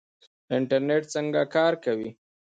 انټرنیټ څنګه کار کوي؟